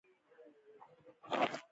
سل هاوو زرو ته رسیږي.